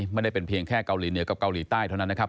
ไม่ได้เป็นเพียงแค่เกาหลีเหนือกับเกาหลีใต้เท่านั้นนะครับ